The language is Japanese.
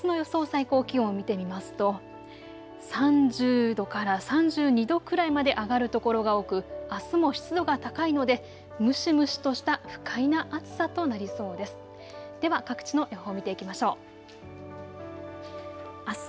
最高気温を見てみますと３０度から３２度くらいまで上がる所が多くあすも湿度が高いので蒸し蒸しとした不快な暑さとなりそうです。